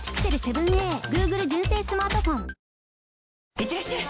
いってらっしゃい！